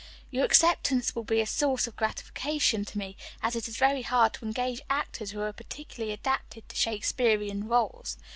Your acceptance will be a source of gratification to me, as it is very hard to engage actors who are particularly adapted to Shakespearian roles.